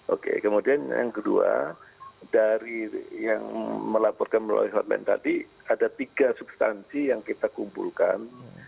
oke kemudian yang kedua dari yang melaporkan melalui hotman tadi ada tiga substansi yang kita kumpulkan